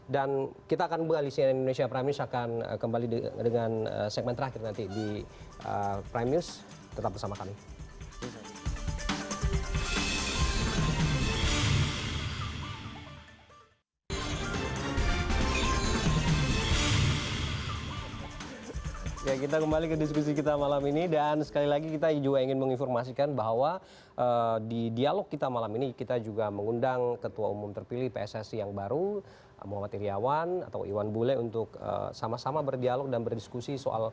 dan kita akan berkongsi dengan indonesia prime news akan kembali dengan segmen terakhir nanti di prime news